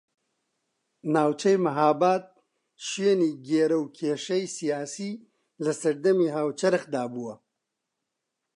ناوچەی مەھاباد شوێنی گێرەوکێشەی سیاسی لە سەردەمی هاوچەرخدا بووە